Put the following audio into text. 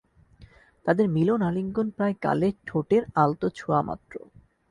তাদের মিলন আলিঙ্গন প্রায় গালে ঠোঁটের আলতো ছোঁয়া মাত্র।